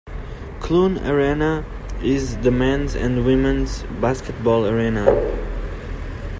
Clune Arena is the men's and women's basketball arena.